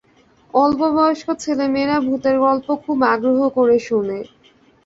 অল্পবয়স্ক ছেলেমেয়েরা ভূতের গল্প খুব আগ্রহ করে শোনে।